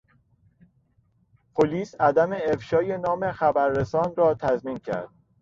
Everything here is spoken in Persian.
پلیس عدم افشای نام خبررسان را تضمین کرد.